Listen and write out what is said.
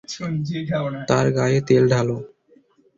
তার গায়ে তেল ঢালো।